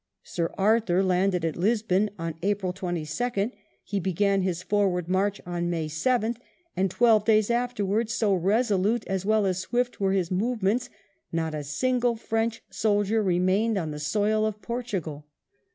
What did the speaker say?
Sir Arthur landed at Lisbon on April 22nd ; he began his forward march on May 7th, and twelve days afterwards, so resolute as well as swift were his movements, not a single French soldier remained on the soil of Portugal.